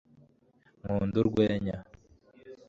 nkunda urwenya